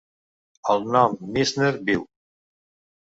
El nom Mizner viu.